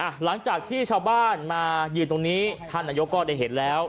หลังจากที่ชาวบ้านมายืนตรงนี้ท่านนายกก็ได้เห็นแล้ว